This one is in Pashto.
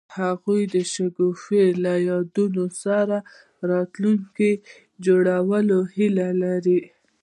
هغوی د شګوفه له یادونو سره راتلونکی جوړولو هیله لرله.